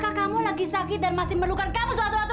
kakak kamu lagi sakit dan masih memerlukan kamu suatu waktu